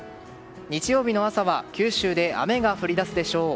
日曜日の朝は九州で雨が降り出すでしょう。